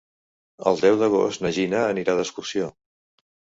El deu d'agost na Gina anirà d'excursió.